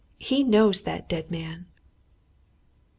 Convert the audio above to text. he knows that dead man!"